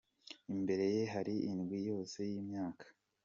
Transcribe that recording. Imbere ye hari indwi yose y’imyaka!